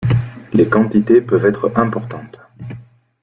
Les quantités peuvent être importantes.